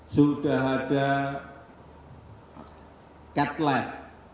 sudah ada cat lab